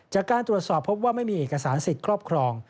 จากการตรวจสอบพบว่าไม่มีเอกสารสิทธิ์ครอบครอง